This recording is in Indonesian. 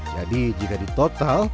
jadi jika di total